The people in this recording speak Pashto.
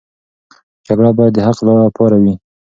جګړه باید د حق لپاره وي.